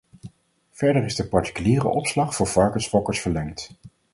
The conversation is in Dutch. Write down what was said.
Verder is de particuliere opslag voor varkensfokkers verlengd.